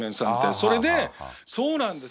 それで、そうなんです。